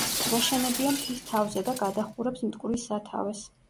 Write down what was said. ნაშენებია მთის თავზე და გადაჰყურებს მტკვრის სათავეს.